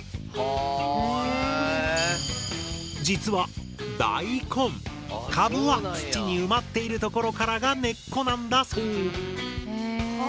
実は大根カブは土に埋まっているところからが根っこなんだそう。